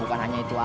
bukan hanya itu aja